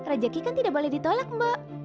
rejeki kan tidak boleh ditolak mbak